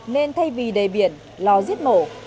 nên thay vì đầy biển lò giết mộ